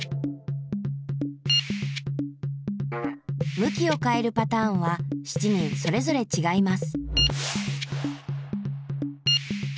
むきをかえるパターンは７人それぞれちがいます。